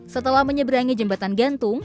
setelah menyeberangi jembatan gantung